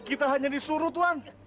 kita hanya disuruh tuan